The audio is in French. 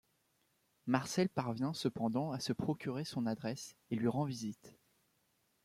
Marcel parvient cependant à se procurer son adresse et lui rend visite.